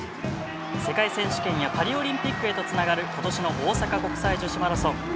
世界選手権やパリオリンピックへとつながることしの大阪国際女子マラソン。